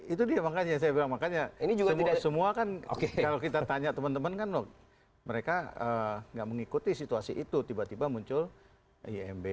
itu dia makanya saya bilang makanya semua kan kalau kita tanya teman teman kan mereka nggak mengikuti situasi itu tiba tiba muncul imb